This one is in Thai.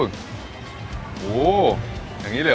โหโหอย่างนี้เลยเหรอ